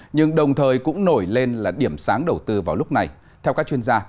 nhưng đồng thời cũng nổi lên là điểm sáng đầu tư vào lúc này theo các chuyên gia